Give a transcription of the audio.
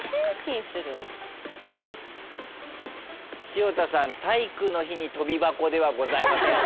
潮田さん「体育の日にとびばこ」ではございません。